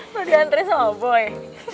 lo diantri sama boy